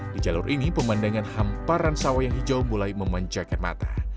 di jalur ini pemandangan hamparan sawah yang hijau mulai memanjakan mata